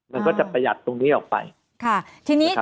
มันก็จะประหยัดตรงนี้ออกไป